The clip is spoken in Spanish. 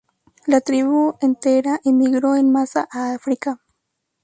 La tribu entera emigró en masa a África.